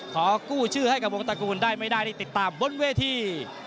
ขอกู้ชื่อให้กับวงตระกูลได้ไม่ได้ติดตามบนเวที